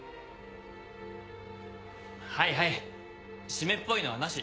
はいはい湿っぽいのはなし。